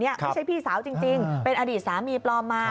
ไม่ใช่พี่สาวจริงเป็นอดีตสามีปลอมมา